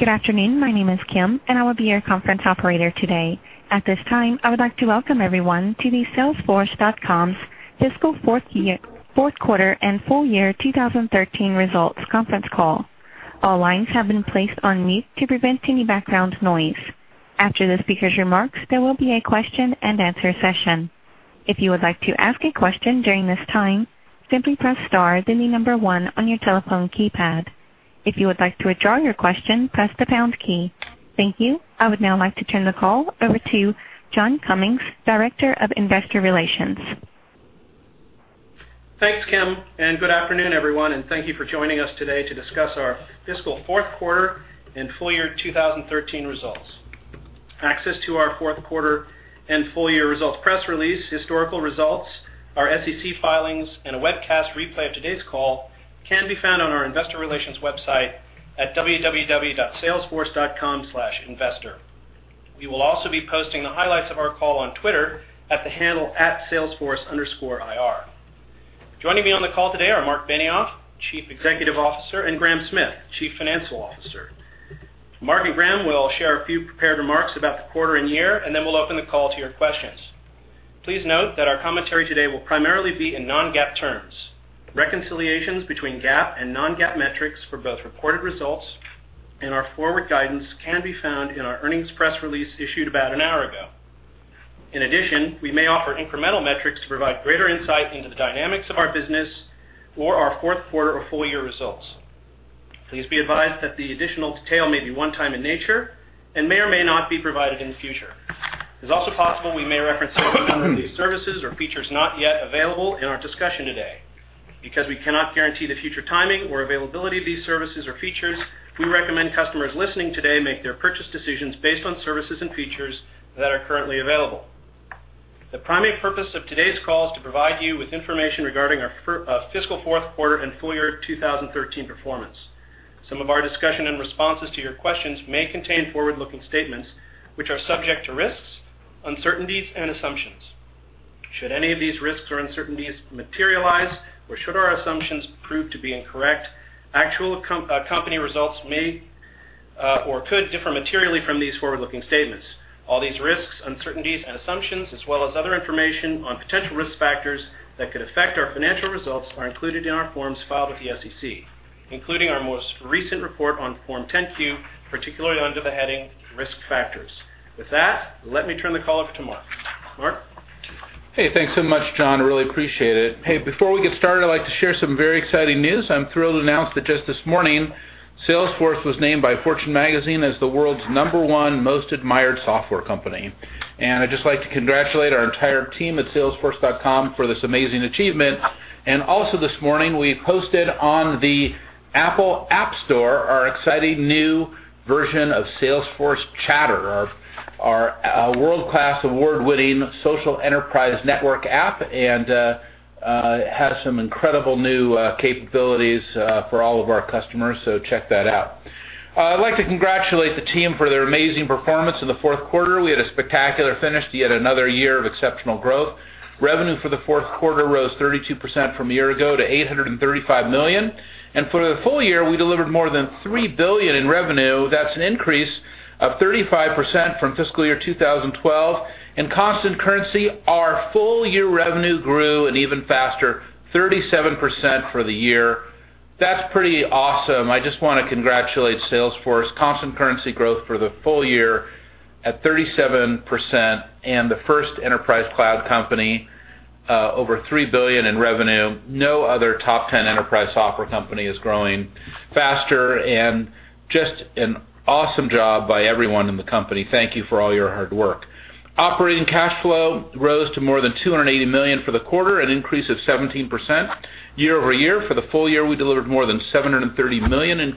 Good afternoon. My name is Kim, and I will be your conference operator today. At this time, I would like to welcome everyone to the salesforce.com's fiscal fourth quarter and full year 2013 results conference call. All lines have been placed on mute to prevent any background noise. After the speaker's remarks, there will be a question and answer session. If you would like to ask a question during this time, simply press star, then the number one on your telephone keypad. If you would like to withdraw your question, press the pound key. Thank you. I would now like to turn the call over to John Cummings, Director of Investor Relations. Thanks, Kim. Good afternoon, everyone, and thank you for joining us today to discuss our fiscal fourth quarter and full year 2013 results. Access to our fourth quarter and full year results press release, historical results, our SEC filings, and a webcast replay of today's call can be found on our investor relations website at www.salesforce.com/investor. We will also be posting the highlights of our call on Twitter at the handle @salesforce_IR. Joining me on the call today are Marc Benioff, Chief Executive Officer, and Graham Smith, Chief Financial Officer. Marc and Graham will share a few prepared remarks about the quarter and year. Then we'll open the call to your questions. Please note that our commentary today will primarily be in non-GAAP terms. Reconciliations between GAAP and non-GAAP metrics for both reported results and our forward guidance can be found in our earnings press release issued about an hour ago. In addition, we may offer incremental metrics to provide greater insight into the dynamics of our business or our fourth quarter or full year results. Please be advised that the additional detail may be one-time in nature and may or may not be provided in the future. It's also possible we may reference some of these services or features not yet available in our discussion today. Because we cannot guarantee the future timing or availability of these services or features, we recommend customers listening today make their purchase decisions based on services and features that are currently available. The primary purpose of today's call is to provide you with information regarding our fiscal fourth quarter and full year 2013 performance. Some of our discussion and responses to your questions may contain forward-looking statements which are subject to risks, uncertainties, and assumptions. Should any of these risks or uncertainties materialize, or should our assumptions prove to be incorrect, actual company results may or could differ materially from these forward-looking statements. All these risks, uncertainties, and assumptions, as well as other information on potential risk factors that could affect our financial results are included in our forms filed with the SEC, including our most recent report on Form 10-Q, particularly under the heading Risk Factors. With that, let me turn the call over to Marc. Marc? Thanks so much, John. I really appreciate it. Before we get started, I'd like to share some very exciting news. I'm thrilled to announce that just this morning, Salesforce was named by Fortune Magazine as the world's number one most admired software company. I'd just like to congratulate our entire team at salesforce.com for this amazing achievement. Also this morning, we posted on the Apple App Store our exciting new version of Salesforce Chatter, our world-class, award-winning social enterprise network app, and it has some incredible new capabilities for all of our customers, so check that out. I'd like to congratulate the team for their amazing performance in the fourth quarter. We had a spectacular finish to yet another year of exceptional growth. Revenue for the fourth quarter rose 32% from a year ago to $835 million. For the full year, we delivered more than $3 billion in revenue. That's an increase of 35% from fiscal year 2012. In constant currency, our full year revenue grew an even faster 37% for the year. That's pretty awesome. I just want to congratulate Salesforce. Constant currency growth for the full year at 37% and the first enterprise cloud company over $3 billion in revenue. No other top 10 enterprise software company is growing faster, and just an awesome job by everyone in the company. Thank you for all your hard work. Operating cash flow rose to more than $280 million for the quarter, an increase of 17% year-over-year. For the full year, we delivered more than $730 million in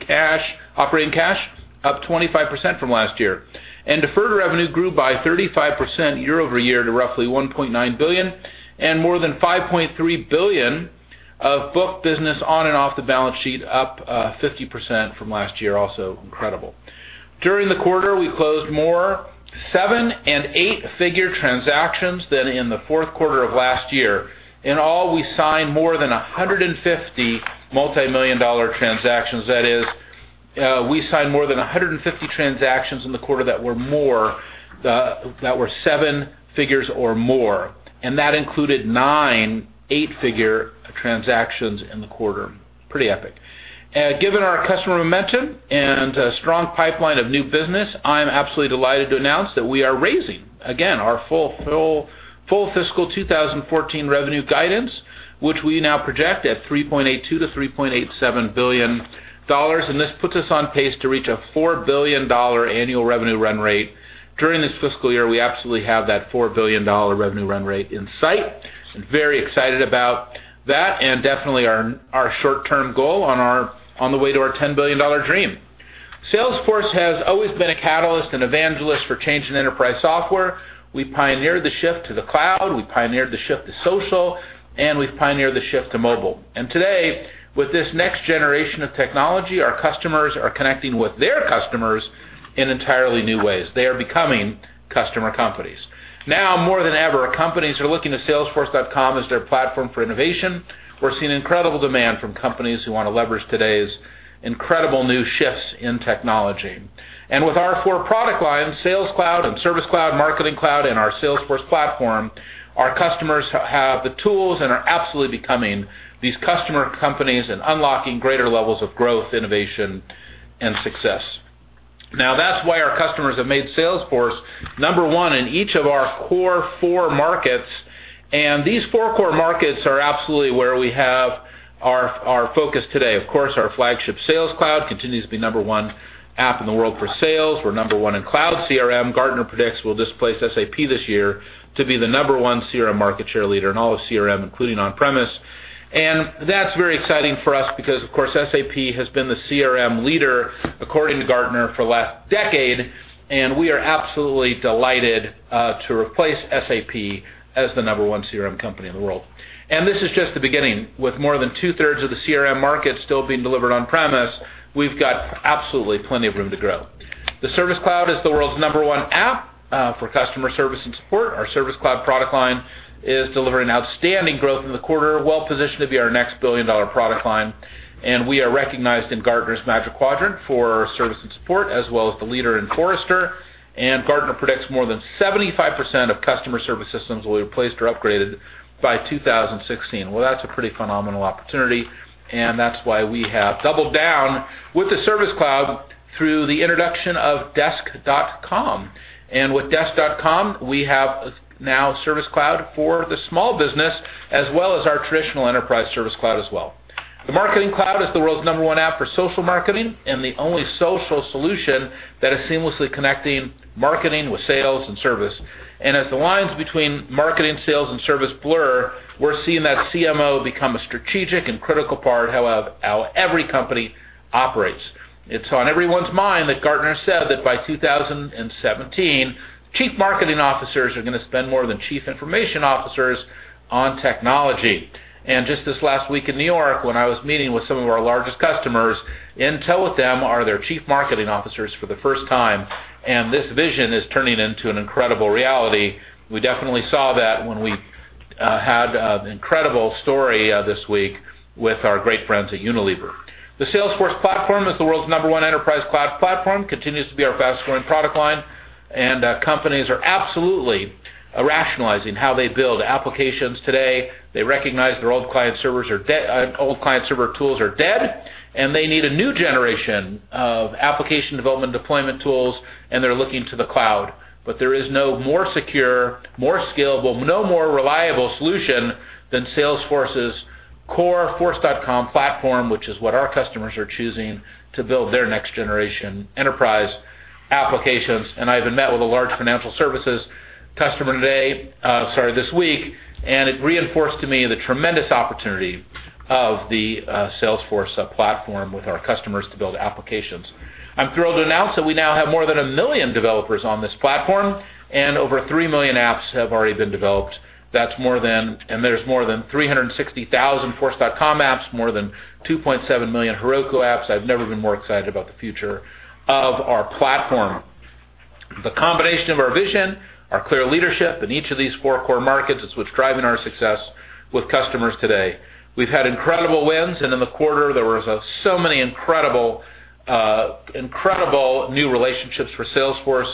operating cash, up 25% from last year. Deferred revenue grew by 35% year-over-year to roughly $1.9 billion, and more than $5.3 billion of book business on and off the balance sheet, up 50% from last year. Also incredible. During the quarter, we closed more seven and eight-figure transactions than in the fourth quarter of last year. In all, we signed more than 150 multimillion-dollar transactions. That is, we signed more than 150 transactions in the quarter that were seven figures or more, and that included nine eight-figure transactions in the quarter. Pretty epic. Given our customer momentum and a strong pipeline of new business, I'm absolutely delighted to announce that we are raising again our full fiscal 2014 revenue guidance, which we now project at $3.82 billion-$3.87 billion. This puts us on pace to reach a $4 billion annual revenue run rate. During this fiscal year, we absolutely have that $4 billion revenue run rate in sight, and very excited about that, and definitely our short-term goal on the way to our $10 billion dream. Salesforce has always been a catalyst and evangelist for change in enterprise software. We pioneered the shift to the cloud, we pioneered the shift to social, and we've pioneered the shift to mobile. Today, with this next generation of technology, our customers are connecting with their customers in entirely new ways. They are becoming customer companies. Now more than ever, companies are looking to salesforce.com as their platform for innovation. We're seeing incredible demand from companies who want to leverage today's incredible new shifts in technology. With our four product lines, Sales Cloud and Service Cloud, Marketing Cloud, and our Salesforce Platform, our customers have the tools and are absolutely becoming these customer companies and unlocking greater levels of growth, innovation, and success. That's why our customers have made Salesforce number one in each of our core four markets. These four core markets are absolutely where we have our focus today. Of course, our flagship Sales Cloud continues to be number one app in the world for sales. We're number one in cloud CRM. Gartner predicts we'll displace SAP this year to be the number one CRM market share leader in all of CRM, including on-premise. That's very exciting for us because, of course, SAP has been the CRM leader, according to Gartner, for the last decade, we are absolutely delighted to replace SAP as the number one CRM company in the world. This is just the beginning. With more than two-thirds of the CRM market still being delivered on-premise, we've got absolutely plenty of room to grow. The Service Cloud is the world's number one app for customer service and support. Our Service Cloud product line is delivering outstanding growth in the quarter, well-positioned to be our next billion-dollar product line. We are recognized in Gartner's Magic Quadrant for service and support, as well as the leader in Forrester, Gartner predicts more than 75% of customer service systems will be replaced or upgraded by 2016. Well, that's a pretty phenomenal opportunity, that's why we have doubled down with the Service Cloud through the introduction of Desk.com. With Desk.com, we have now Service Cloud for the small business, as well as our traditional enterprise Service Cloud as well. The Marketing Cloud is the world's number one app for social marketing and the only social solution that is seamlessly connecting marketing with sales and service. As the lines between marketing, sales, and service blur, we're seeing that CMO become a strategic and critical part how every company operates. It's on everyone's mind that Gartner said that by 2017, chief marketing officers are going to spend more than chief information officers on technology. Just this last week in New York, when I was meeting with some of our largest customers, in tow with them are their chief marketing officers for the first time, this vision is turning into an incredible reality. We definitely saw that when we had an incredible story this week with our great friends at Unilever. The Salesforce Platform is the world's number one enterprise cloud platform, continues to be our fast-growing product line. Companies are absolutely rationalizing how they build applications today. They recognize their old client-server tools are dead, they need a new generation of application development deployment tools, they're looking to the cloud. There is no more secure, more scalable, no more reliable solution than Salesforce's core Force.com platform, which is what our customers are choosing to build their next-generation enterprise applications. I even met with a large financial services customer this week, it reinforced to me the tremendous opportunity of the Salesforce Platform with our customers to build applications. I'm thrilled to announce that we now have more than 1 million developers on this platform and over 3 million apps have already been developed. There's more than 360,000 Force.com apps, more than 2.7 million Heroku apps. I've never been more excited about the future of our platform. The combination of our vision, our clear leadership in each of these four core markets is what's driving our success with customers today. We've had incredible wins, in the quarter, there was so many incredible new relationships for Salesforce.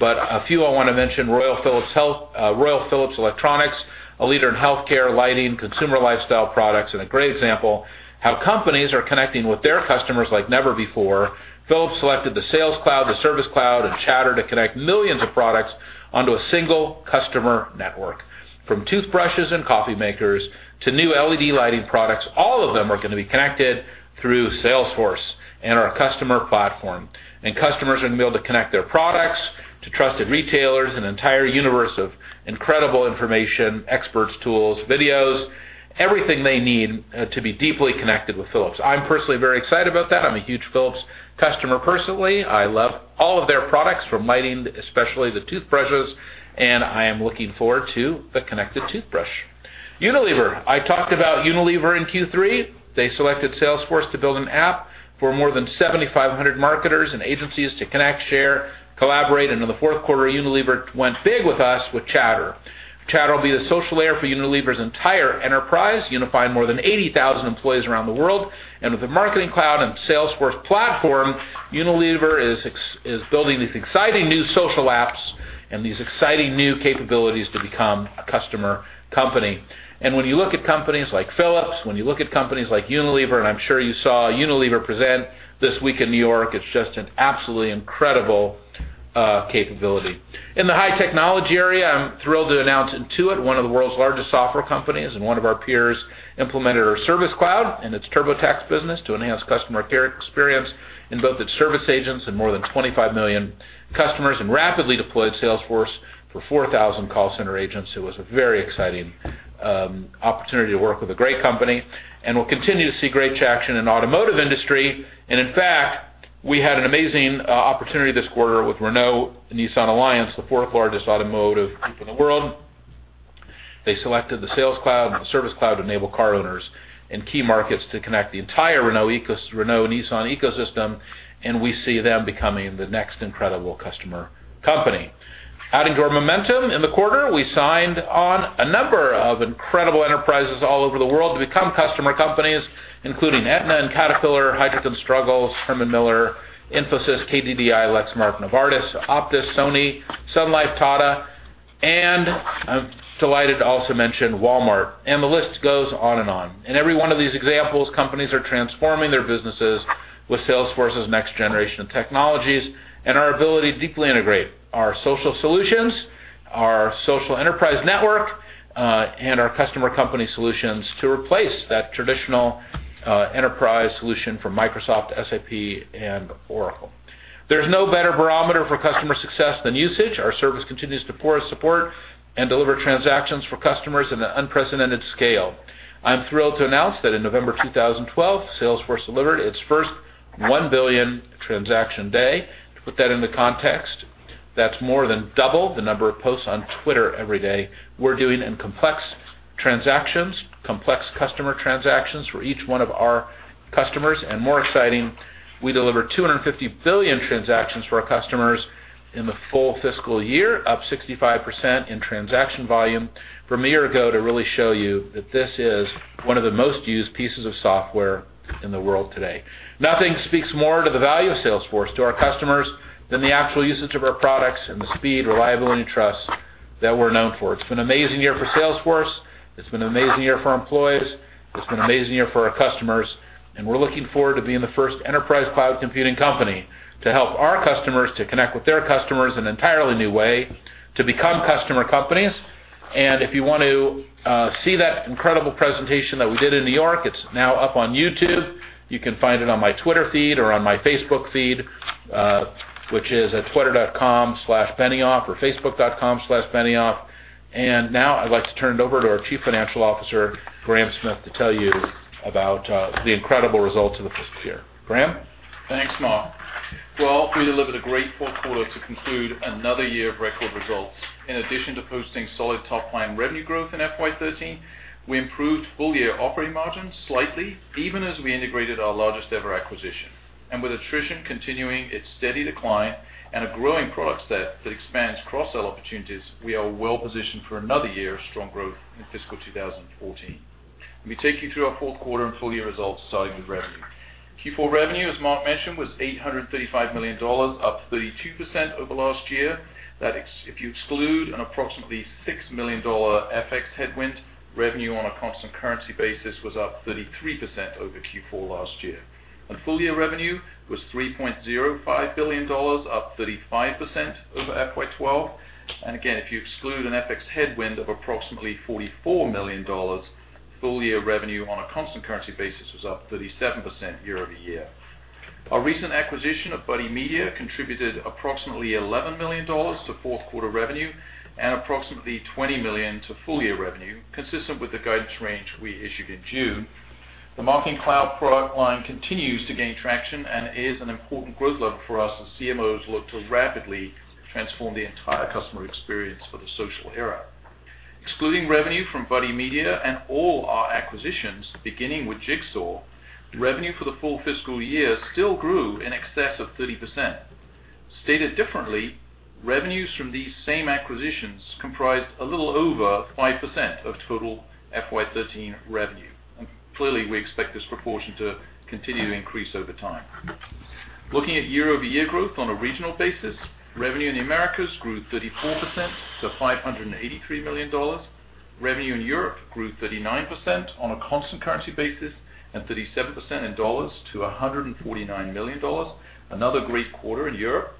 A few I want to mention, Royal Philips Electronics, a leader in healthcare, lighting, consumer lifestyle products, a great example how companies are connecting with their customers like never before. Philips selected the Sales Cloud, the Service Cloud, and Chatter to connect millions of products onto a single customer network. From toothbrushes and coffee makers to new LED lighting products, all of them are going to be connected through Salesforce and our customer platform. Customers are going to be able to connect their products to trusted retailers, an entire universe of incredible information, experts, tools, videos, everything they need to be deeply connected with Philips. I'm personally very excited about that. I'm a huge Philips customer personally. I love all of their products from lighting, especially the toothbrushes, I am looking forward to the connected toothbrush. Unilever. I talked about Unilever in Q3. They selected Salesforce to build an app for more than 7,500 marketers and agencies to connect, share, collaborate, in the fourth quarter, Unilever went big with us with Chatter. Chatter will be the social layer for Unilever's entire enterprise, unifying more than 80,000 employees around the world. With the Marketing Cloud and Salesforce Platform, Unilever is building these exciting new social apps and these exciting new capabilities to become a customer company. When you look at companies like Philips, when you look at companies like Unilever, I'm sure you saw Unilever present this week in New York, it's just an absolutely incredible capability. In the high technology area, I'm thrilled to announce Intuit, one of the world's largest software companies and one of our peers, implemented our Service Cloud and its TurboTax business to enhance customer experience in both its service agents and more than 25 million customers, rapidly deployed Salesforce for 4,000 call center agents. It was a very exciting opportunity to work with a great company, we'll continue to see great traction in the automotive industry. In fact, we had an amazing opportunity this quarter with Renault-Nissan Alliance, the fourth largest automotive group in the world. They selected the Sales Cloud and the Service Cloud to enable car owners in key markets to connect the entire Renault-Nissan ecosystem, we see them becoming the next incredible customer company. Adding to our momentum in the quarter, we signed on a number of incredible enterprises all over the world to become customer companies, including Aetna and Caterpillar, Heidrick & Struggles, Herman Miller, Infosys, KDDI, Lexmark, Novartis, Optus, Sony, Sun Life, Tata, and I'm delighted to also mention Walmart, and the list goes on and on. In every one of these examples, companies are transforming their businesses with Salesforce's next-generation technologies and our ability to deeply integrate our social solutions, our social enterprise network, and our customer company solutions to replace that traditional enterprise solution from Microsoft, SAP, and Oracle. There's no better barometer for customer success than usage. Our service continues to pour support and deliver transactions for customers in an unprecedented scale. I'm thrilled to announce that in November 2012, Salesforce delivered its first 1 billion transaction day. To put that into context, that's more than double the number of posts on Twitter every day. We're doing complex customer transactions for each one of our customers. More exciting, we delivered 250 billion transactions for our customers in the full fiscal year, up 65% in transaction volume from a year ago to really show you that this is one of the most used pieces of software in the world today. Nothing speaks more to the value of Salesforce to our customers than the actual usage of our products and the speed, reliability, and trust that we're known for. It's been an amazing year for Salesforce. It's been an amazing year for our employees. It's been an amazing year for our customers, we're looking forward to being the first enterprise cloud computing company to help our customers to connect with their customers in an entirely new way to become customer companies. If you want to see that incredible presentation that we did in New York, it's now up on YouTube. You can find it on my Twitter feed or on my Facebook feed, which is at twitter.com/benioff or facebook.com/benioff. Now I'd like to turn it over to our Chief Financial Officer, Graham Smith, to tell you about the incredible results of the fiscal year. Graham? Thanks, Marc. Well, we delivered a great fourth quarter to conclude another year of record results. In addition to posting solid top-line revenue growth in FY 2013, we improved full-year operating margins slightly even as we integrated our largest-ever acquisition. With attrition continuing its steady decline and a growing product set that expands cross-sell opportunities, we are well positioned for another year of strong growth in fiscal 2014. Let me take you through our fourth quarter and full-year results, starting with revenue. Q4 revenue, as Marc mentioned, was $835 million, up 32% over last year. If you exclude an approximately $6 million FX headwind, revenue on a constant currency basis was up 33% over Q4 last year. On full-year revenue, it was $3.05 billion, up 35% over FY 2012. Again, if you exclude an FX headwind of $44 million, full-year revenue on a constant currency basis was up 37% year-over-year. Our recent acquisition of Buddy Media contributed $11 million to fourth-quarter revenue and $20 million to full-year revenue, consistent with the guidance range we issued in June. The Marketing Cloud product line continues to gain traction and is an important growth lever for us as CMOs look to rapidly transform the entire customer experience for the social era. Excluding revenue from Buddy Media and all our acquisitions, beginning with Jigsaw, revenue for the full fiscal year still grew in excess of 30%. Stated differently, revenues from these same acquisitions comprised a little over 5% of total FY 2013 revenue. Clearly, we expect this proportion to continue to increase over time. Looking at year-over-year growth on a regional basis, revenue in the Americas grew 34% to $583 million. Revenue in Europe grew 39% on a constant currency basis and 37% in dollars to $149 million. Another great quarter in Europe.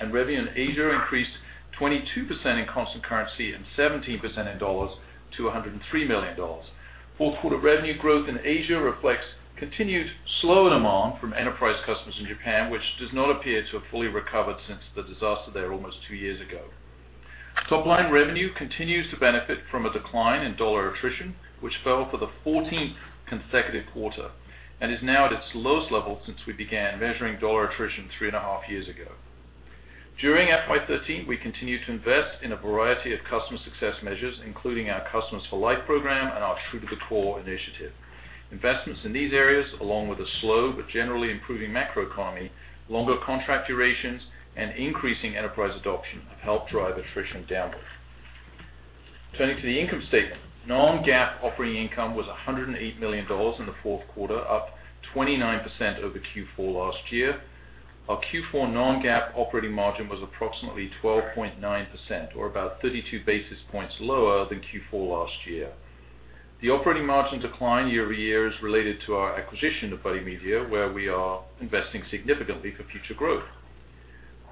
Revenue in Asia increased 22% in constant currency and 17% in dollars to $103 million. Fourth quarter revenue growth in Asia reflects continued slow demand from enterprise customers in Japan, which does not appear to have fully recovered since the disaster there almost two years ago. Top-line revenue continues to benefit from a decline in dollar attrition, which fell for the 14th consecutive quarter and is now at its lowest level since we began measuring dollar attrition three and a half years ago. During FY 2013, we continued to invest in a variety of customer success measures, including our Customers for Life program and our True to the Core initiative. Investments in these areas, along with a slow but generally improving macroeconomy, longer contract durations, and increasing enterprise adoption, have helped drive attrition downwards. Turning to the income statement. non-GAAP operating income was $108 million in the fourth quarter, up 29% over Q4 last year. Our Q4 non-GAAP operating margin was approximately 12.9%, or about 32 basis points lower than Q4 last year. The operating margin decline year-over-year is related to our acquisition of Buddy Media, where we are investing significantly for future growth.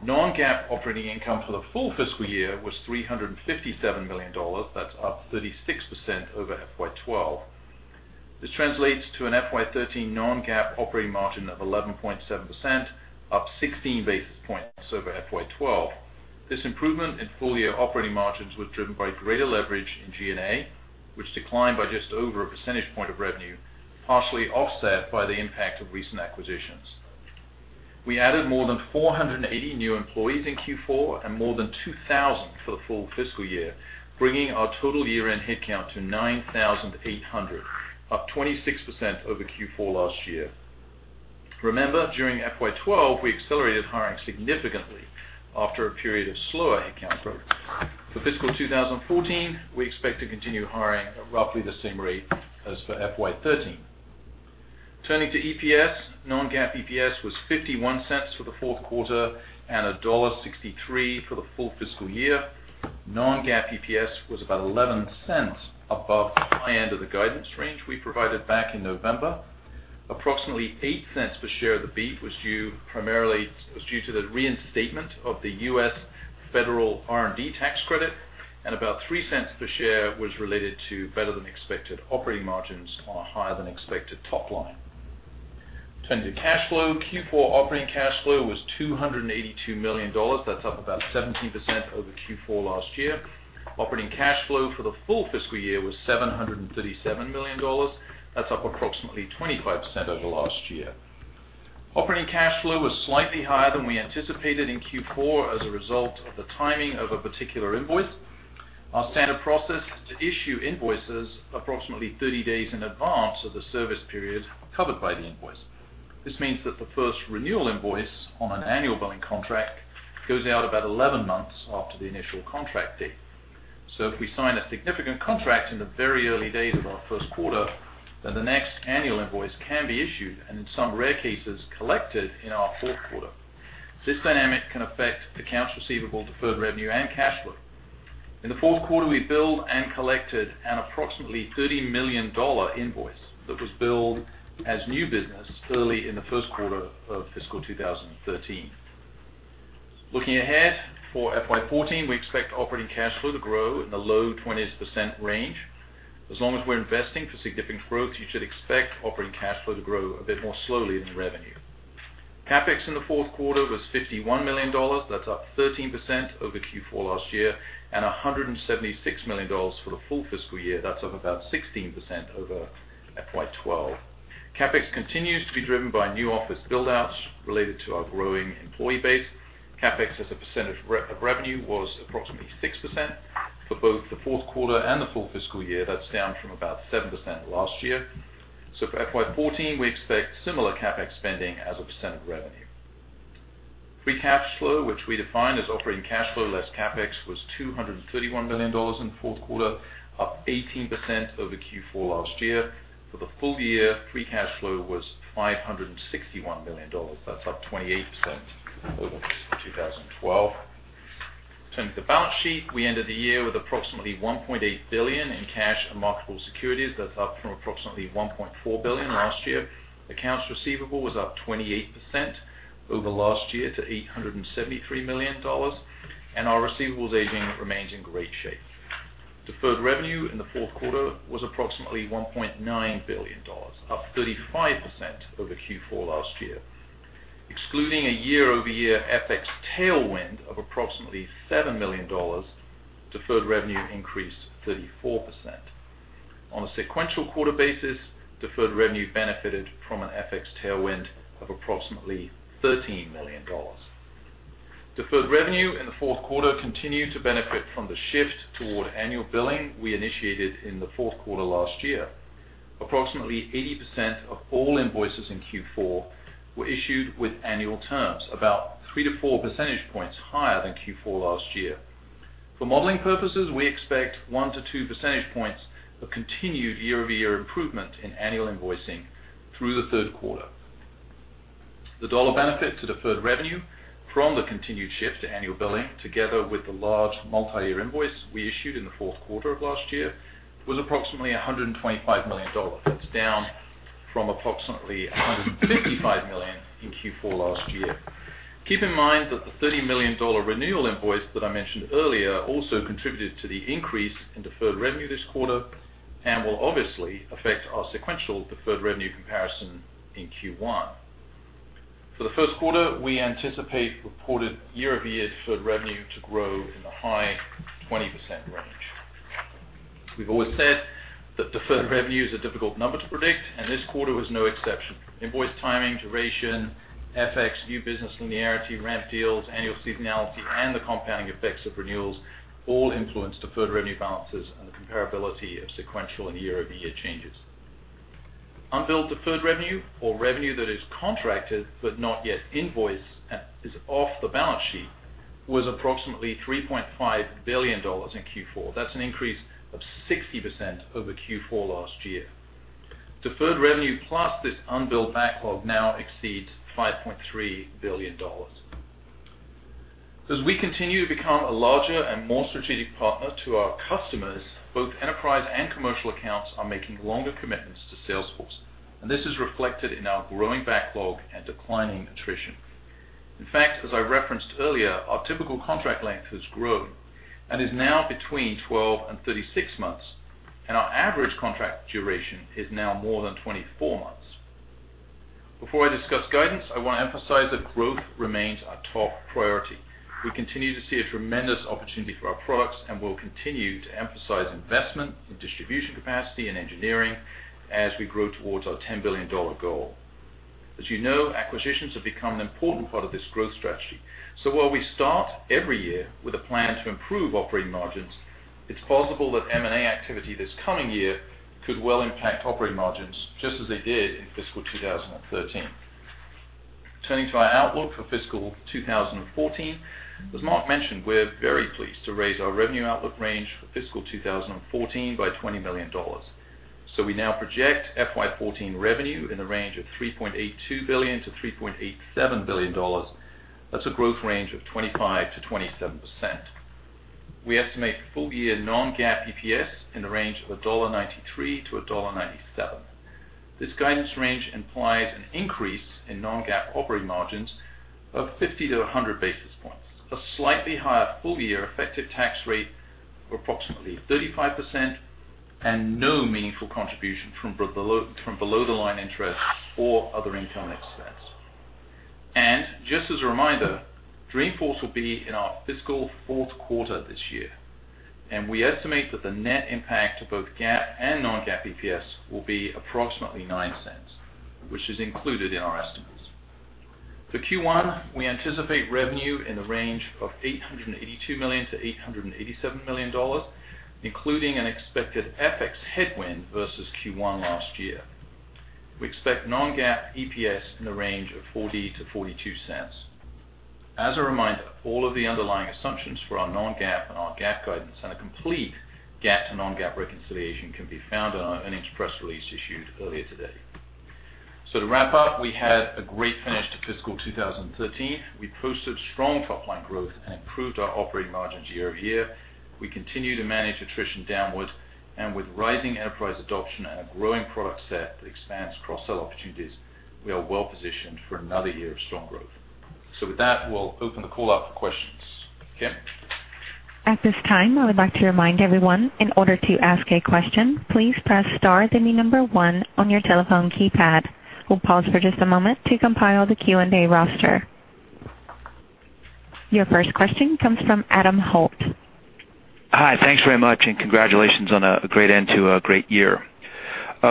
non-GAAP operating income for the full fiscal year was $357 million. That's up 36% over FY 2012. This translates to an FY 2013 non-GAAP operating margin of 11.7%, up 16 basis points over FY 2012. This improvement in full-year operating margins was driven by greater leverage in G&A, which declined by just over a percentage point of revenue, partially offset by the impact of recent acquisitions. We added more than 480 new employees in Q4, and more than 2,000 for the full fiscal year, bringing our total year-end headcount to 9,800, up 26% over Q4 last year. Remember, during FY 2012, we accelerated hiring significantly after a period of slower headcount growth. For fiscal 2014, we expect to continue hiring at roughly the same rate as for FY 2013. Turning to EPS, non-GAAP EPS was $0.51 for the fourth quarter and $1.63 for the full fiscal year. non-GAAP EPS was about $0.11 above the high end of the guidance range we provided back in November. Approximately $0.08 per share of the beat was due to the reinstatement of the U.S. federal R&D tax credit, and about $0.03 per share was related to better-than-expected operating margins on a higher-than-expected top line. Turning to cash flow, Q4 operating cash flow was $282 million. That's up about 17% over Q4 last year. Operating cash flow for the full fiscal year was $737 million. That's up approximately 25% over last year. Operating cash flow was slightly higher than we anticipated in Q4 as a result of the timing of a particular invoice. Our standard process is to issue invoices approximately 30 days in advance of the service period covered by the invoice. This means that the first renewal invoice on an annual billing contract goes out about 11 months after the initial contract date. If we sign a significant contract in the very early days of our first quarter, then the next annual invoice can be issued, and in some rare cases, collected in our fourth quarter. This dynamic can affect accounts receivable, deferred revenue, and cash flow. In the fourth quarter, we billed and collected an approximately $30 million invoice that was billed as new business early in the first quarter of fiscal 2013. Looking ahead, for FY 2014, we expect operating cash flow to grow in the low 20% range. As long as we're investing for significant growth, you should expect operating cash flow to grow a bit more slowly than revenue. CapEx in the fourth quarter was $51 million. That's up 13% over Q4 last year, and $176 million for the full fiscal year. That's up about 16% over FY 2012. CapEx continues to be driven by new office build-outs related to our growing employee base. CapEx as a percentage of revenue was approximately 6% for both the fourth quarter and the full fiscal year. That's down from about 7% last year. For FY 2014, we expect similar CapEx spending as a percent of revenue. Free cash flow, which we define as operating cash flow less CapEx, was $231 million in the fourth quarter, up 18% over Q4 last year. For the full year, free cash flow was $561 million. That's up 28% over 2012. Turning to the balance sheet, we ended the year with approximately $1.8 billion in cash and marketable securities. That's up from approximately $1.4 billion last year. Accounts receivable was up 28% over last year to $873 million, and our receivables aging remains in great shape. Deferred revenue in the fourth quarter was approximately $1.9 billion, up 35% over Q4 last year. Excluding a year-over-year FX tailwind of approximately $7 million, deferred revenue increased 34%. On a sequential quarter basis, deferred revenue benefited from an FX tailwind of approximately $13 million. Deferred revenue in the fourth quarter continued to benefit from the shift toward annual billing we initiated in the fourth quarter last year. Approximately 80% of all invoices in Q4 were issued with annual terms, about 3 to 4 percentage points higher than Q4 last year. For modeling purposes, we expect 1 to 2 percentage points of continued year-over-year improvement in annual invoicing through the third quarter. The dollar benefit to deferred revenue from the continued shift to annual billing, together with the large multi-year invoice we issued in the fourth quarter of last year, was approximately $125 million. That's down from approximately $155 million in Q4 last year. Keep in mind that the $30 million renewal invoice that I mentioned earlier also contributed to the increase in deferred revenue this quarter and will obviously affect our sequential deferred revenue comparison in Q1. For the first quarter, we anticipate reported year-over-year deferred revenue to grow in the high 20% range. We've always said that deferred revenue is a difficult number to predict, and this quarter was no exception. Invoice timing, duration, FX, new business linearity, ramp deals, annual seasonality, and the compounding effects of renewals all influence deferred revenue balances and the comparability of sequential and year-over-year changes. Unbilled deferred revenue or revenue that is contracted but not yet invoiced is off the balance sheet, was approximately $3.5 billion in Q4. That's an increase of 60% over Q4 last year. Deferred revenue plus this unbilled backlog now exceeds $5.3 billion. As we continue to become a larger and more strategic partner to our customers, both enterprise and commercial accounts are making longer commitments to Salesforce, and this is reflected in our growing backlog and declining attrition. In fact, as I referenced earlier, our typical contract length has grown and is now between 12 and 36 months, and our average contract duration is now more than 24 months. Before I discuss guidance, I want to emphasize that growth remains our top priority. We continue to see a tremendous opportunity for our products, and we'll continue to emphasize investment in distribution capacity and engineering as we grow towards our $10 billion goal. While we start every year with a plan to improve operating margins, it's possible that M&A activity this coming year could well impact operating margins just as it did in fiscal 2013. Turning to our outlook for fiscal 2014, as Marc mentioned, we're very pleased to raise our revenue outlook range for fiscal 2014 by $20 million. We now project FY 2014 revenue in the range of $3.82 billion to $3.87 billion. That's a growth range of 25%-27%. We estimate full year non-GAAP EPS in the range of $1.93 to $1.97. This guidance range implies an increase in non-GAAP operating margins of 50 to 100 basis points, a slightly higher full-year effective tax rate of approximately 35%, and no meaningful contribution from below the line interest or other income expense. Just as a reminder, Dreamforce will be in our fiscal fourth quarter this year, and we estimate that the net impact to both GAAP and non-GAAP EPS will be approximately $0.09, which is included in our estimates. For Q1, we anticipate revenue in the range of $882 million to $887 million, including an expected FX headwind versus Q1 last year. We expect non-GAAP EPS in the range of $0.40-$0.42. As a reminder, all of the underlying assumptions for our non-GAAP and our GAAP guidance and a complete GAAP to non-GAAP reconciliation can be found on our earnings press release issued earlier today. To wrap up, we had a great finish to fiscal 2013. We posted strong top-line growth and improved our operating margins year-over-year. We continue to manage attrition downwards. With rising enterprise adoption and a growing product set that expands cross-sell opportunities, we are well positioned for another year of strong growth. With that, we'll open the call up for questions. Kim? At this time, I would like to remind everyone, in order to ask a question, please press star, then the number 1 on your telephone keypad. We'll pause for just a moment to compile the Q&A roster. Your first question comes from Adam Holt. Hi. Thanks very much. Congratulations on a great end to a great year.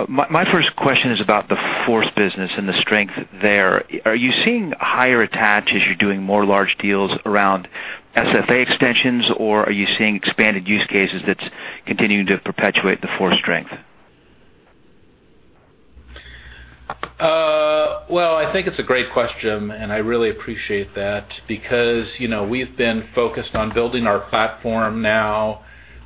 My first question is about the Force business and the strength there. Are you seeing higher attach as you're doing more large deals around SFA extensions, or are you seeing expanded use cases that's continuing to perpetuate the Force strength? Well, I think it's a great question. I really appreciate that because we've been focused on building our platform now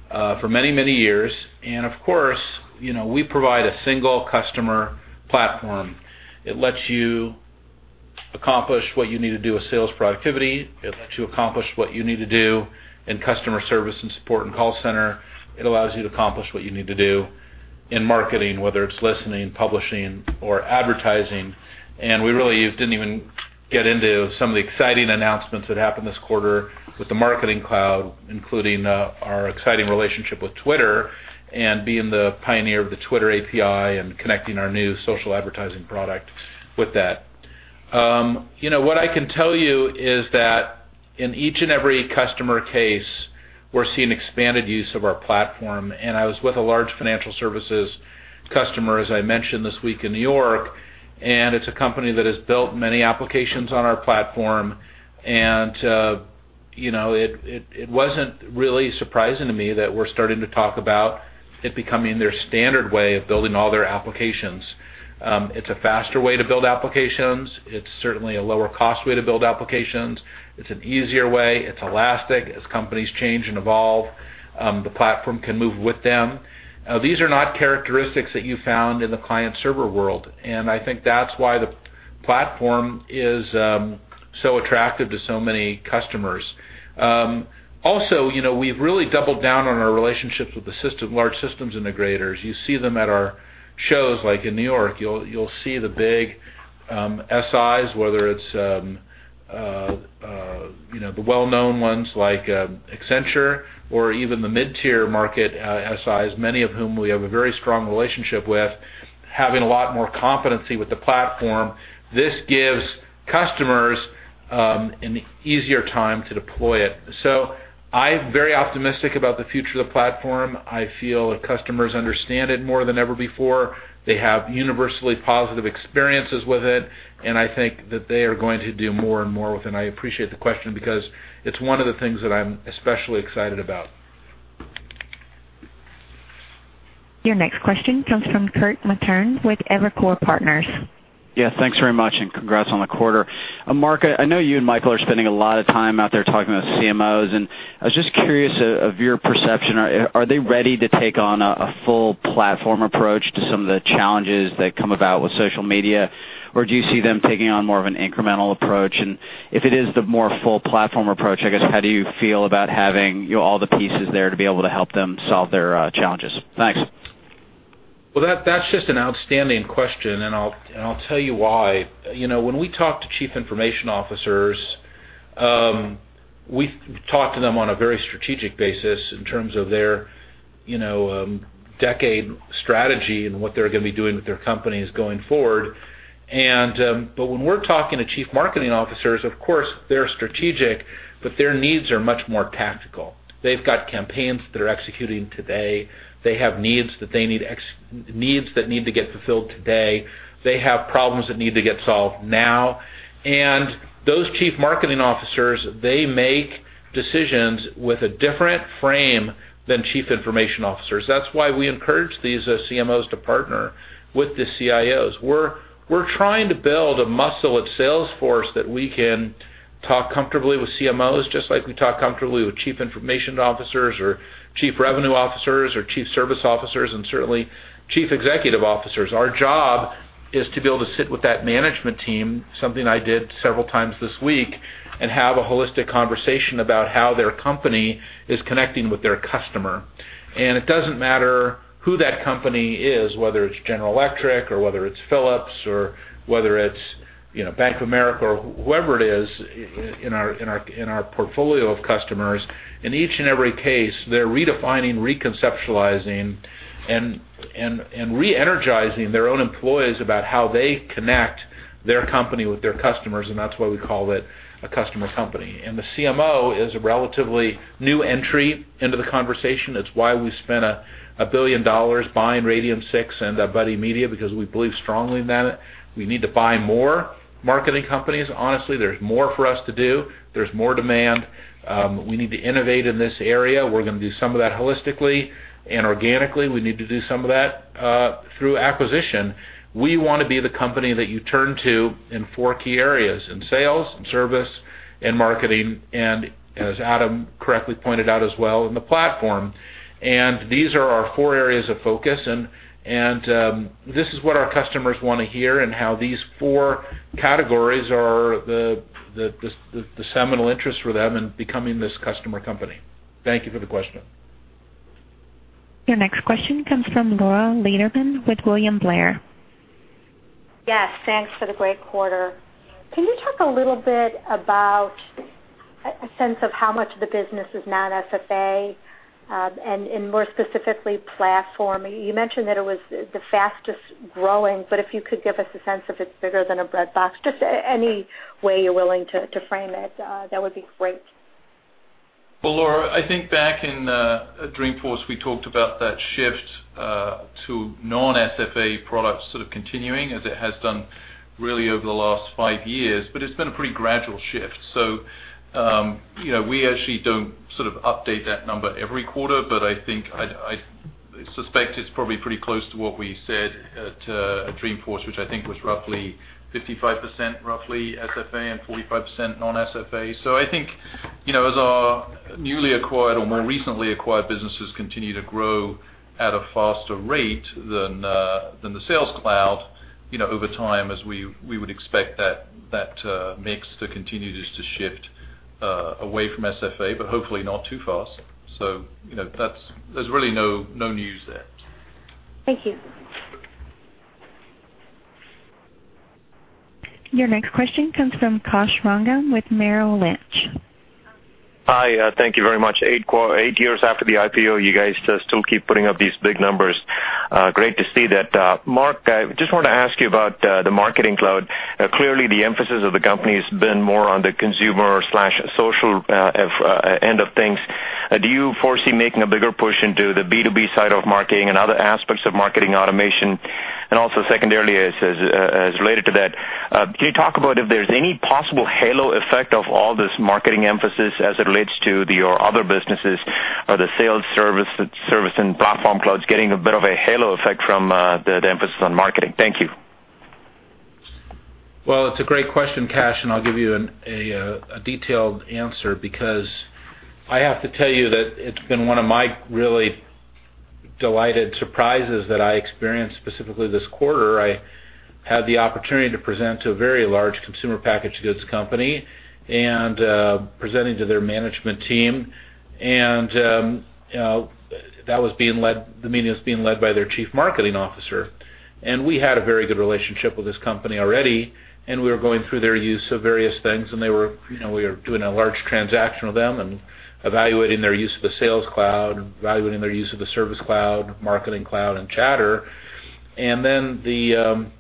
for many, many years. Of course, we provide a single customer platform. It lets you accomplish what you need to do with sales productivity. It lets you accomplish what you need to do in customer service and support and call center. It allows you to accomplish what you need to do in marketing, whether it's listening, publishing, or advertising. We really didn't even get into some of the exciting announcements that happened this quarter with the Marketing Cloud, including our exciting relationship with Twitter and being the pioneer of the Twitter API and connecting our new social advertising product with that. What I can tell you is that in each and every customer case, we're seeing expanded use of our platform. I was with a large financial services customer, as I mentioned this week in New York, and it's a company that has built many applications on our platform. It wasn't really surprising to me that we're starting to talk about it becoming their standard way of building all their applications. It's a faster way to build applications. It's certainly a lower cost way to build applications. It's an easier way. It's elastic. As companies change and evolve, the platform can move with them. These are not characteristics that you found in the client server world, and I think that's why the platform is so attractive to so many customers. Also, we've really doubled down on our relationships with the large systems integrators. You see them at our shows, like in New York. You'll see the big SIs, whether it's the well-known ones like Accenture or even the mid-tier market, SIs, many of whom we have a very strong relationship with, having a lot more competency with the platform. This gives customers an easier time to deploy it. I'm very optimistic about the future of the platform. I feel that customers understand it more than ever before. They have universally positive experiences with it, and I think that they are going to do more and more with it. I appreciate the question because it's one of the things that I'm especially excited about. Your next question comes from Kirk Materne with Evercore Partners. Yeah, thanks very much and congrats on the quarter. Marc, I know you and Michael are spending a lot of time out there talking with CMOs. I was just curious of your perception. Are they ready to take on a full platform approach to some of the challenges that come about with social media? Do you see them taking on more of an incremental approach? If it is the more full platform approach, I guess, how do you feel about having all the pieces there to be able to help them solve their challenges? Thanks. Well, that's just an outstanding question. I'll tell you why. When we talk to Chief Information Officers We talk to them on a very strategic basis in terms of their decade strategy and what they're going to be doing with their companies going forward. When we're talking to Chief Marketing Officers, of course, they're strategic, but their needs are much more tactical. They've got campaigns that are executing today. They have needs that need to get fulfilled today. They have problems that need to get solved now. Those Chief Marketing Officers, they make decisions with a different frame than Chief Information Officers. That's why we encourage these CMOs to partner with the CIOs. We're trying to build a muscle at Salesforce that we can talk comfortably with CMOs, just like we talk comfortably with Chief Information Officers or Chief Revenue Officers or Chief Service Officers, and certainly Chief Executive Officers. Our job is to be able to sit with that management team, something I did several times this week, and have a holistic conversation about how their company is connecting with their customer. It doesn't matter who that company is, whether it's General Electric or whether it's Philips or whether it's Bank of America or whoever it is in our portfolio of customers. In each and every case, they're redefining, reconceptualizing, and re-energizing their own employees about how they connect their company with their customers, and that's why we call it a customer company. The CMO is a relatively new entry into the conversation. That's why we spent $1 billion buying Radian6 and Buddy Media, because we believe strongly in that. We need to buy more marketing companies. Honestly, there's more for us to do. There's more demand. We need to innovate in this area. We're going to do some of that holistically and organically. We need to do some of that through acquisition. We want to be the company that you turn to in four key areas, in sales and service and marketing, and as Adam correctly pointed out as well, in the Platform. These are our four areas of focus, and this is what our customers want to hear and how these four categories are the seminal interest for them in becoming this customer company. Thank you for the question. Your next question comes from Laura Lederman with William Blair. Yes, thanks for the great quarter. Can you talk a little bit about a sense of how much of the business is not SFA, and more specifically, platform? You mentioned that it was the fastest-growing, but if you could give us a sense if it's bigger than a breadbox, just any way you're willing to frame it, that would be great. Well, Laura, I think back in Dreamforce, we talked about that shift to non-SFA products sort of continuing as it has done really over the last five years, but it's been a pretty gradual shift. We actually don't update that number every quarter, but I suspect it's probably pretty close to what we said at Dreamforce, which I think was roughly 55% SFA and 45% non-SFA. I think, as our newly acquired or more recently acquired businesses continue to grow at a faster rate than the Sales Cloud, over time, as we would expect that mix to continue to shift away from SFA, but hopefully not too fast. There's really no news there. Thank you. Your next question comes from Kash Rangan with Merrill Lynch. Hi. Thank you very much. 8 years after the IPO, you guys still keep putting up these big numbers. Great to see that. Marc, I just wanted to ask you about the Marketing Cloud. Clearly, the emphasis of the company has been more on the consumer/social end of things. Do you foresee making a bigger push into the B2B side of marketing and other aspects of marketing automation? Also secondarily, as related to that, can you talk about if there's any possible halo effect of all this marketing emphasis as it relates to your other businesses or the Sales Cloud, Service Cloud, and Platform clouds getting a bit of a halo effect from the emphasis on marketing? Thank you. Well, it's a great question, Kash, I'll give you a detailed answer because I have to tell you that it's been one of my really delighted surprises that I experienced specifically this quarter. I had the opportunity to present to a very large consumer packaged goods company, presenting to their management team, the meeting was being led by their Chief Marketing Officer. We had a very good relationship with this company already, we were going through their use of various things, we were doing a large transaction with them and evaluating their use of the Sales Cloud, evaluating their use of the Service Cloud, Marketing Cloud, and Chatter. Then the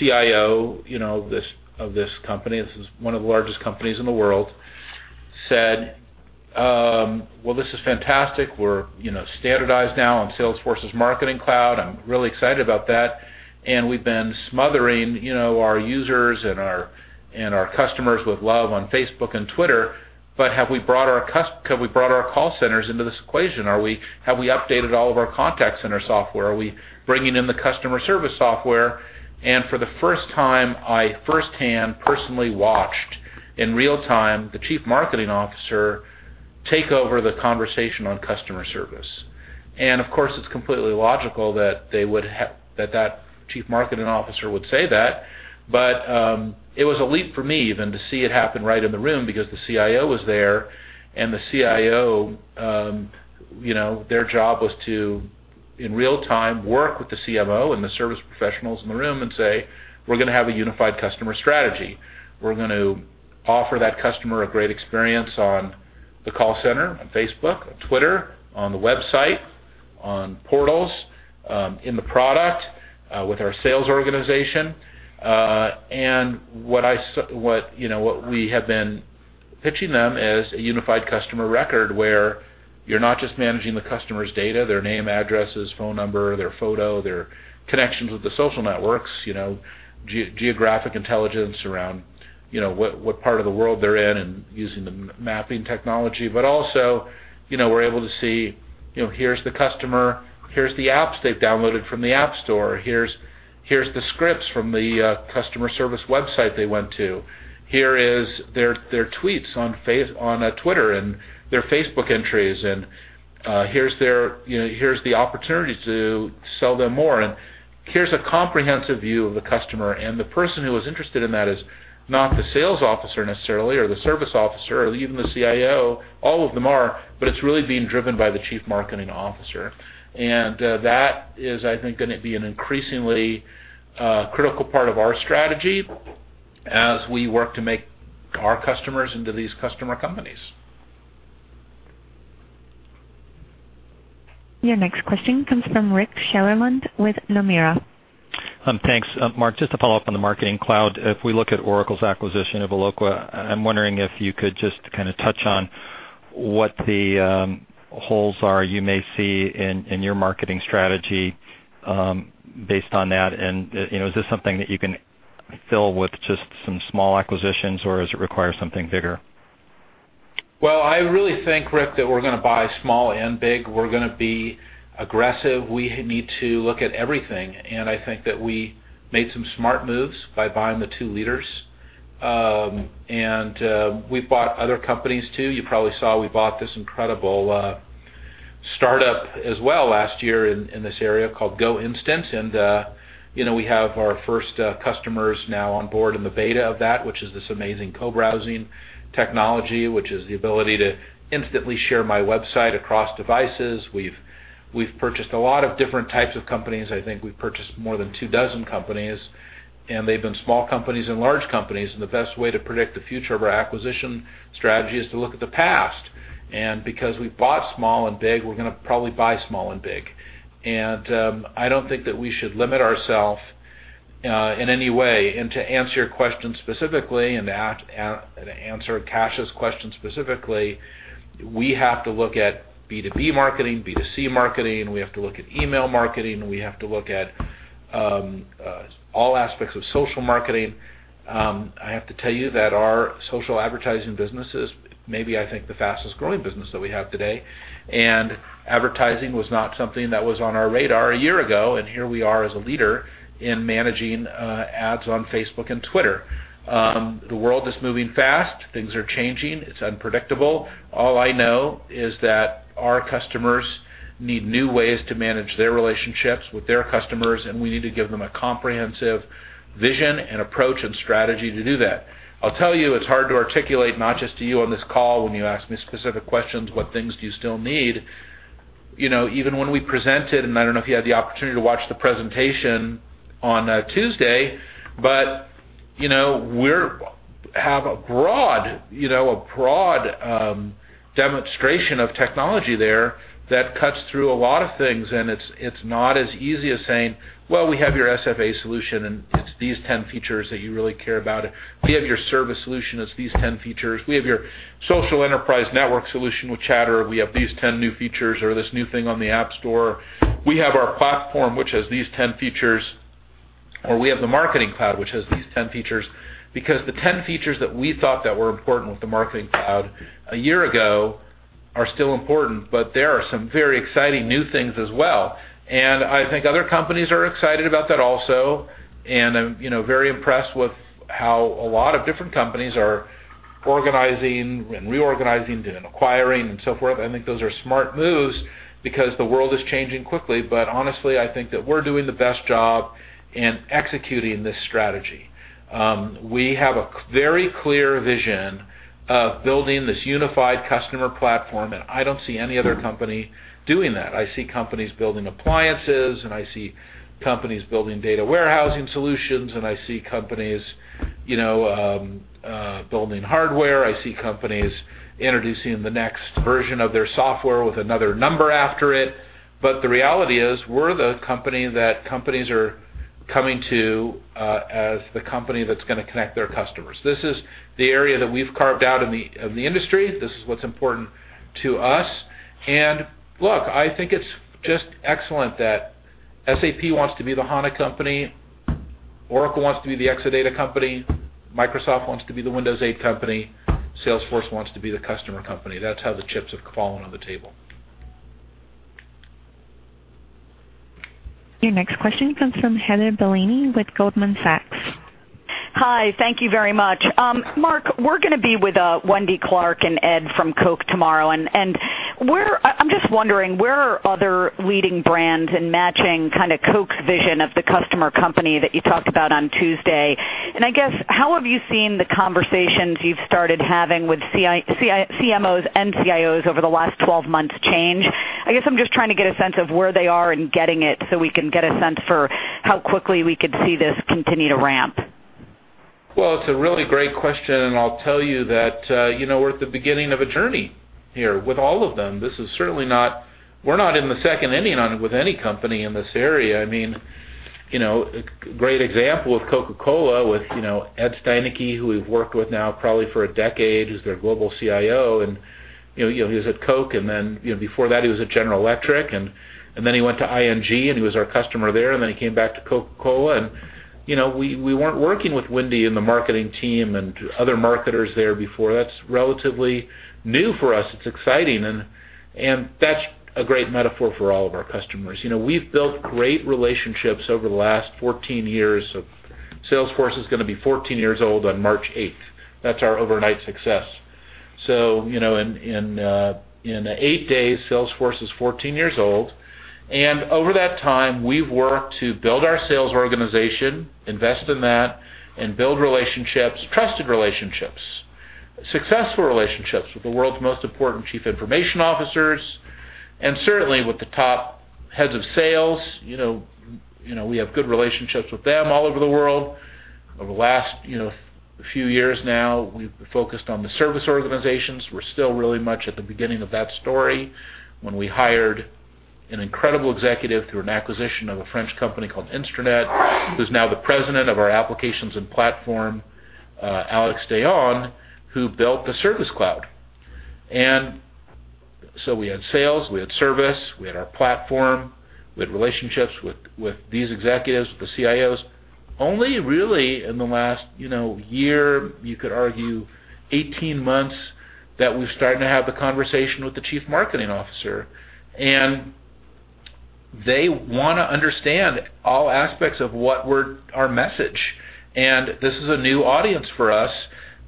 CIO of this company, this is one of the largest companies in the world, said, "Well, this is fantastic. We're standardized now on Salesforce's Marketing Cloud. I'm really excited about that. We've been smothering our users and our customers with love on Facebook and Twitter. Have we brought our call centers into this equation? Have we updated all of our contact center software? Are we bringing in the customer service software?" For the first time, I firsthand personally watched in real time, the Chief Marketing Officer take over the conversation on customer service. Of course, it's completely logical that that Chief Marketing Officer would say that. It was a leap for me even to see it happen right in the room because the CIO was there, and the CIO, their job was to In real time, work with the CMO and the service professionals in the room and say, "We're going to have a unified customer strategy. We're going to offer that customer a great experience on the call center, on Facebook, on Twitter, on the website, on portals, in the product, with our sales organization." What we have been pitching them is a unified customer record, where you're not just managing the customer's data, their name, addresses, phone number, their photo, their connections with the social networks, geographic intelligence around what part of the world they're in and using the mapping technology. But also, we're able to see, here's the customer, here's the apps they've downloaded from the App Store. Here's the scripts from the customer service website they went to. Here is their tweets on Twitter and their Facebook entries, here's the opportunity to sell them more. Here's a comprehensive view of the customer. The person who was interested in that is not the sales officer necessarily, or the service officer, or even the CIO. All of them are, but it's really being driven by the Chief Marketing Officer. That is, I think, going to be an increasingly critical part of our strategy as we work to make our customers into these customer companies. Your next question comes from Rick Sherlund with Nomura. Thanks. Marc, just to follow up on the Marketing Cloud. If we look at Oracle's acquisition of Eloqua, I'm wondering if you could just touch on what the holes are you may see in your marketing strategy based on that. Is this something that you can fill with just some small acquisitions, or does it require something bigger? Well, I really think, Rick, that we're going to buy small and big. We're going to be aggressive. We need to look at everything. I think that we made some smart moves by buying the two leaders. We've bought other companies, too. You probably saw we bought this incredible startup as well last year in this area called GoInstant. We have our first customers now on board in the beta of that, which is this amazing co-browsing technology, which is the ability to instantly share my website across devices. We've purchased a lot of different types of companies. I think we've purchased more than 2 dozen companies. They've been small companies and large companies. The best way to predict the future of our acquisition strategy is to look at the past. Because we've bought small and big, we're going to probably buy small and big. I don't think that we should limit ourself in any way. To answer your question specifically, and to answer Kash's question specifically, we have to look at B2B marketing, B2C marketing, we have to look at email marketing, we have to look at all aspects of social marketing. I have to tell you that our social advertising business is maybe, I think, the fastest-growing business that we have today. Advertising was not something that was on our radar a year ago, and here we are as a leader in managing ads on Facebook and Twitter. The world is moving fast. Things are changing. It's unpredictable. All I know is that our customers need new ways to manage their relationships with their customers, we need to give them a comprehensive vision and approach and strategy to do that. I'll tell you, it's hard to articulate, not just to you on this call when you ask me specific questions, what things do you still need? Even when we presented, I don't know if you had the opportunity to watch the presentation on Tuesday, we have a broad demonstration of technology there that cuts through a lot of things, it's not as easy as saying, "Well, we have your SFA solution, and it's these 10 features that you really care about. We have your service solution. It's these 10 features. We have your social enterprise network solution with Chatter. We have these 10 new features or this new thing on the App Store. We have our platform, which has these 10 features, or we have the Marketing Cloud, which has these 10 features." Because the 10 features that we thought that were important with the Marketing Cloud a year ago are still important, there are some very exciting new things as well. I think other companies are excited about that also, I'm very impressed with how a lot of different companies are organizing and reorganizing and acquiring and so forth. I think those are smart moves because the world is changing quickly, honestly, I think that we're doing the best job in executing this strategy. We have a very clear vision of building this unified customer platform, I don't see any other company doing that. I see companies building appliances, I see companies building data warehousing solutions, I see companies building hardware. I see companies introducing the next version of their software with another number after it. The reality is, we're the company that companies are coming to as the company that's going to connect their customers. This is the area that we've carved out in the industry. This is what's important to us. Look, I think it's just excellent that SAP wants to be the HANA company, Oracle wants to be the Exadata company, Microsoft wants to be the Windows 8 company, Salesforce wants to be the customer company. That's how the chips have fallen on the table. Your next question comes from Heather Bellini with Goldman Sachs. Hi. Thank you very much. Marc, we're going to be with Wendy Clark and Ed from Coca-Cola tomorrow, I'm just wondering, where are other leading brands in matching Coca-Cola's vision of the customer company that you talked about on Tuesday? I guess, how have you seen the conversations you've started having with CMOs and CIOs over the last 12 months change? I guess I'm just trying to get a sense of where they are in getting it so we can get a sense for how quickly we could see this continue to ramp. Well, it's a really great question, I'll tell you that we're at the beginning of a journey here with all of them. We're not in the second inning on it with any company in this area. A great example with Coca-Cola, with Ed Steinike, who we've worked with now probably for a decade, who's their global CIO, he was at Coke, before that he was at General Electric, he went to ING and he was our customer there, he came back to Coca-Cola. We weren't working with Wendy in the marketing team and other marketers there before. That's relatively new for us. It's exciting. That's a great metaphor for all of our customers. We've built great relationships over the last 14 years. Salesforce is going to be 14 years old on March 8th. That's our overnight success. In eight days, Salesforce is 14 years old, over that time, we've worked to build our sales organization, invest in that, build relationships, trusted relationships, successful relationships with the world's most important chief information officers, and certainly with the top heads of sales. We have good relationships with them all over the world. Over the last few years now, we've focused on the service organizations. We're still really much at the beginning of that story when we hired an incredible executive through an acquisition of a French company called InStranet, who's now the president of our applications and platform, Alex Dayon, who built the Service Cloud. We had sales, we had service, we had our platform, we had relationships with these executives, with the CIOs. Only really in the last year, you could argue 18 months, that we've started to have the conversation with the chief marketing officer. They want to understand all aspects of what we're our message. This is a new audience for us,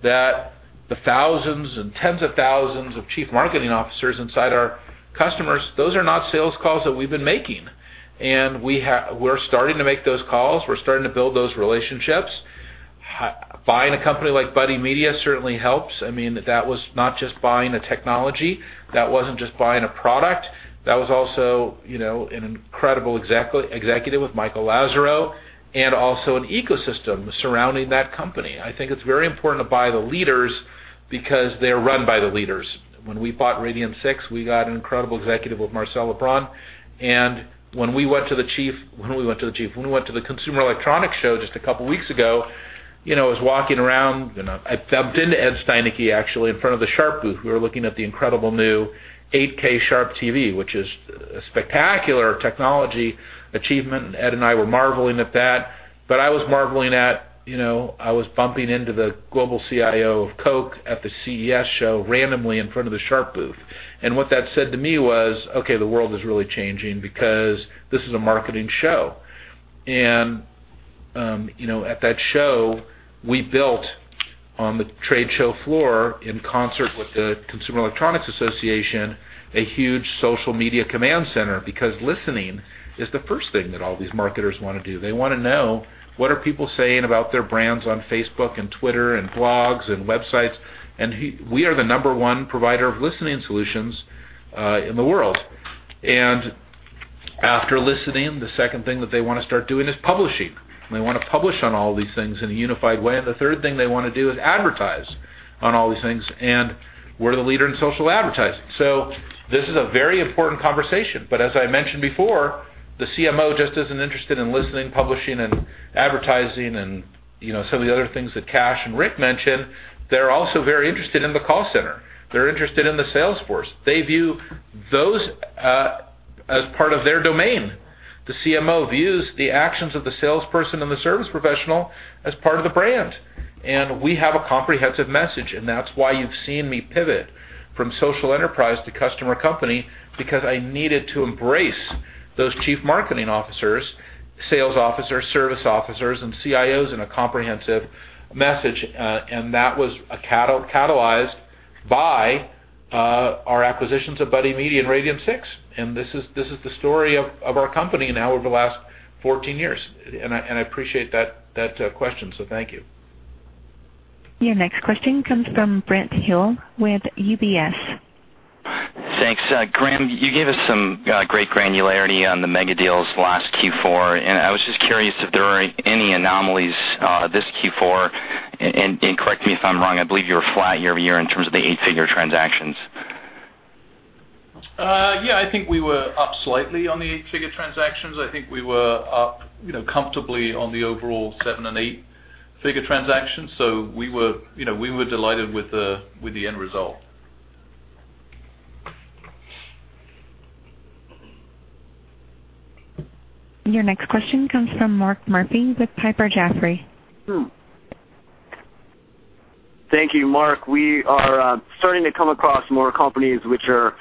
that the thousands and tens of thousands of chief marketing officers inside our customers, those are not sales calls that we've been making. We're starting to make those calls. We're starting to build those relationships. Buying a company like Buddy Media certainly helps. That was not just buying a technology. That wasn't just buying a product. That was also an incredible executive with Michael Lazerow and also an ecosystem surrounding that company. I think it's very important to buy the leaders because they're run by the leaders. When we bought Radian6, we got an incredible executive with Marcel LeBrun. When we went to the Consumer Electronics Show just a couple of weeks ago, I was walking around, I bumped into Ed Steinike, actually, in front of the Sharp booth. We were looking at the incredible new 8K Sharp TV, which is a spectacular technology achievement, Ed and I were marveling at that. I was marveling at, I was bumping into the global CIO of Coke at the CES show randomly in front of the Sharp booth. What that said to me was, okay, the world is really changing because this is a marketing show. At that show, we built on the trade show floor in concert with the Consumer Electronics Association, a huge social media command center, because listening is the first thing that all these marketers want to do. They want to know what are people saying about their brands on Facebook and Twitter and blogs and websites. We are the number one provider of listening solutions in the world. After listening, the second thing that they want to start doing is publishing. They want to publish on all these things in a unified way. The third thing they want to do is advertise on all these things. We're the leader in social advertising. This is a very important conversation. As I mentioned before, the CMO just isn't interested in listening, publishing, and advertising and some of the other things that Kash and Rick mentioned. They're also very interested in the call center. They're interested in the sales force. They view those as part of their domain. The CMO views the actions of the salesperson and the service professional as part of the brand. We have a comprehensive message. That's why you've seen me pivot from social enterprise to customer company, because I needed to embrace those chief marketing officers, sales officers, service officers, and CIOs in a comprehensive message. That was catalyzed by our acquisitions of Buddy Media and Radian6. This is the story of our company now over the last 14 years. I appreciate that question. Thank you. Your next question comes from Brent Thill with UBS. Thanks. Graham, you gave us some great granularity on the mega deals last Q4. I was just curious if there were any anomalies this Q4. Correct me if I'm wrong, I believe you were flat year-over-year in terms of the eight-figure transactions. Yeah, I think we were up slightly on the eight-figure transactions. I think we were up comfortably on the overall seven and eight-figure transactions. We were delighted with the end result. Your next question comes from Mark Murphy with Piper Jaffray. Thank you. Marc, we are starting to come across more companies which are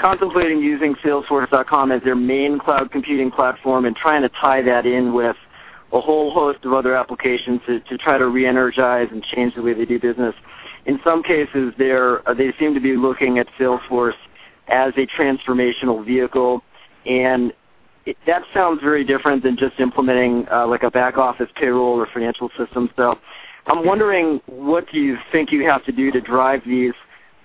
contemplating using salesforce.com as their main cloud computing platform and trying to tie that in with a whole host of other applications to try to reenergize and change the way they do business. In some cases, they seem to be looking at Salesforce as a transformational vehicle, and that sounds very different than just implementing, like, a back-office payroll or financial system. I'm wondering, what do you think you have to do to drive these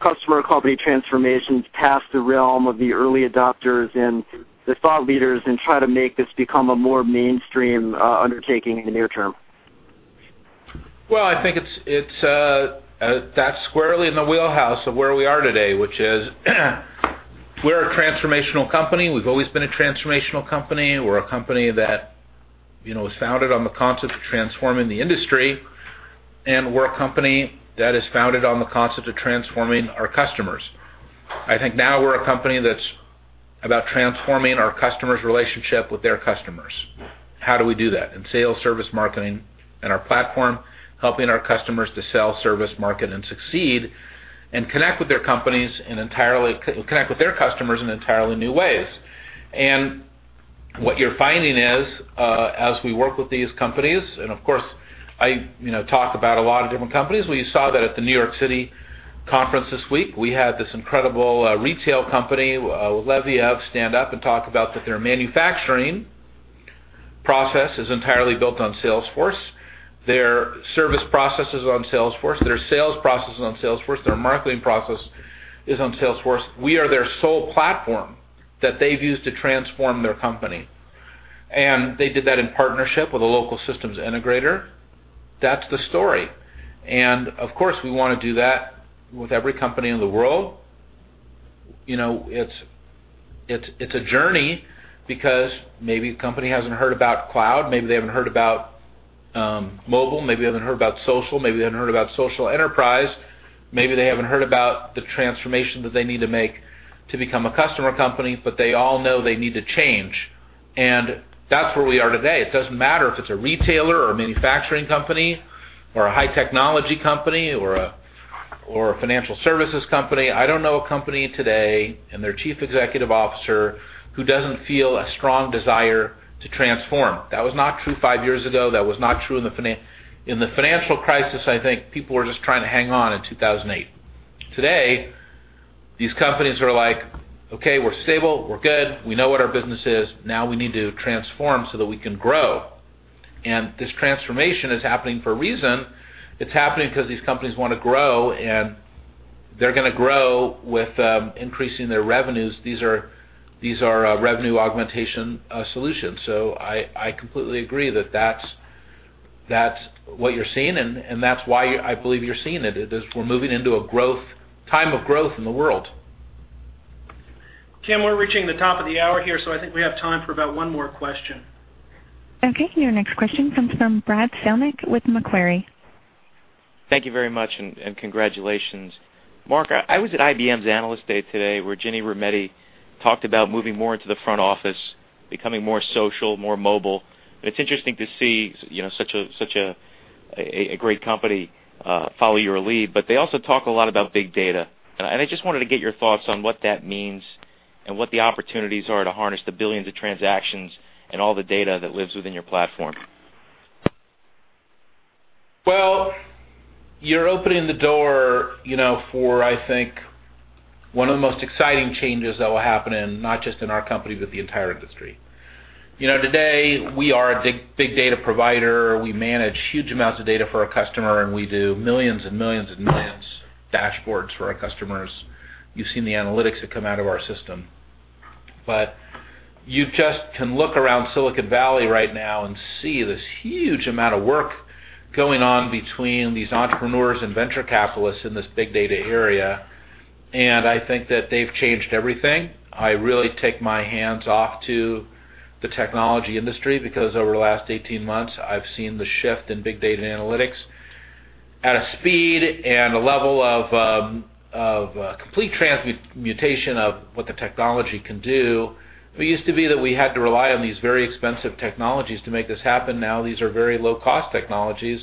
customer company transformations past the realm of the early adopters and the thought leaders and try to make this become a more mainstream undertaking in the near term? Well, I think that's squarely in the wheelhouse of where we are today, which is we're a transformational company. We've always been a transformational company. We're a company that was founded on the concept of transforming the industry. We're a company that is founded on the concept of transforming our customers. I think now we're a company that's about transforming our customers' relationship with their customers. How do we do that? In sales, service, marketing, our platform, helping our customers to sell, service, market, and succeed, and connect with their customers in entirely new ways. What you're finding is, as we work with these companies, and of course, I talk about a lot of different companies. We saw that at the New York City conference this week. We had this incredible retail company, Levi's, stand up and talk about that their manufacturing process is entirely built on Salesforce. Their service process is on Salesforce, their sales process is on Salesforce, their marketing process is on Salesforce. We are their sole platform that they've used to transform their company. They did that in partnership with a local systems integrator. That's the story. Of course, we want to do that with every company in the world. It's a journey because maybe a company hasn't heard about cloud, maybe they haven't heard about mobile, maybe they haven't heard about social, maybe they haven't heard about social enterprise, maybe they haven't heard about the transformation that they need to make to become a customer company, but they all know they need to change. That's where we are today. It doesn't matter if it's a retailer or a manufacturing company or a high technology company or a financial services company. I don't know a company today and their chief executive officer who doesn't feel a strong desire to transform. That was not true five years ago. That was not true in the financial crisis, I think, people were just trying to hang on in 2008. Today, these companies are like, "Okay, we're stable. We're good. We know what our business is. Now we need to transform so that we can grow." This transformation is happening for a reason. It's happening because these companies want to grow. They're going to grow with increasing their revenues. These are revenue augmentation solutions. I completely agree that that's what you're seeing. That's why I believe you're seeing it, is we're moving into a time of growth in the world. Kim, we're reaching the top of the hour here. I think we have time for about one more question. Okay, your next question comes from Brad Zelnick with Macquarie. Thank you very much. Congratulations. Marc, I was at IBM's Analyst Day today, where Ginni Rometty talked about moving more into the front office, becoming more social, more mobile. It's interesting to see such a great company follow your lead. They also talk a lot about big data. I just wanted to get your thoughts on what that means and what the opportunities are to harness the billions of transactions and all the data that lives within your platform. Well, you're opening the door for, I think, one of the most exciting changes that will happen in not just in our company, the entire industry. Today, we are a big data provider. We manage huge amounts of data for our customer. We do millions and millions and millions dashboards for our customers. You've seen the analytics that come out of our system. You just can look around Silicon Valley right now and see this huge amount of work going on between these entrepreneurs and venture capitalists in this big data area. I think that they've changed everything. I really take my hands off to the technology industry because over the last 18 months, I've seen the shift in big data analytics at a speed and a level of complete transmutation of what the technology can do. It used to be that we had to rely on these very expensive technologies to make this happen. Now these are very low-cost technologies,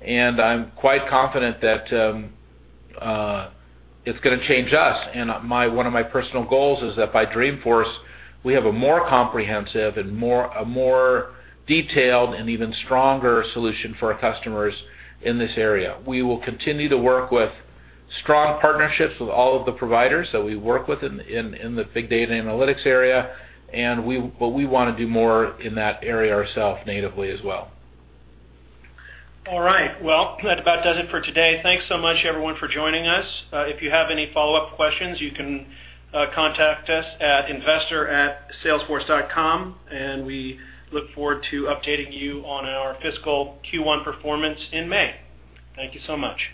and I'm quite confident that it's going to change us. One of my personal goals is that by Dreamforce, we have a more comprehensive and a more detailed and even stronger solution for our customers in this area. We will continue to work with strong partnerships with all of the providers that we work with in the big data analytics area, but we want to do more in that area ourself natively as well. All right. Well, that about does it for today. Thanks so much, everyone, for joining us. If you have any follow-up questions, you can contact us at investor@salesforce.com, and we look forward to updating you on our fiscal Q1 performance in May. Thank you so much.